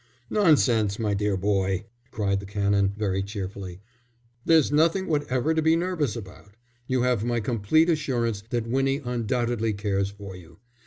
"Nonsense, my dear boy," cried the Canon, very cheerily. "There's nothing whatever to be nervous about. You have my complete assurance that Winnie undoubtedly cares for you.